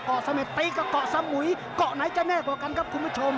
ก๋อเสม็ดตีก็ก๋อเสมมุาย์ก๋อไหนจะแน่กว่ากันครับคุณผู้ชม